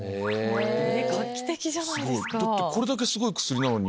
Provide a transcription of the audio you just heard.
画期的じゃないですか！